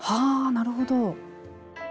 はぁなるほど。